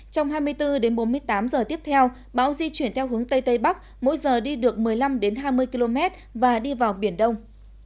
trong hai mươi bốn bốn mươi tám giờ tiếp theo bão di chuyển theo hướng tây tây bắc mỗi giờ đi được một mươi năm hai mươi km và đi vào biển đông